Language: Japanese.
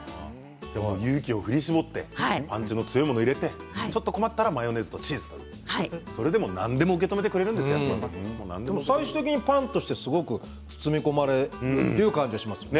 勇気を振り絞ってパンチの強いものを入れてちょっと困ったらマヨネーズとチーズ、それでも何でも最終的にパンとして包み込まれる感じがしますよね。